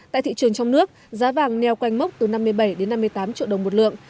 tại thị trường trong nước giá vàng neo quanh mốc từ năm mươi bảy năm mươi tám triệu đồng một lượng